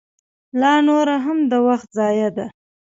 لا نوره هم د وخت ضایع ده.